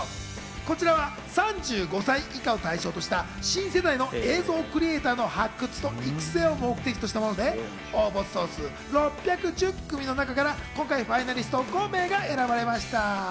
こちらは３５歳以下を対象とした新世代の映像クリエイターの発掘と育成を目的としたもので、応募総数６１０組の中から今回ファイナリスト５名が選ばれました。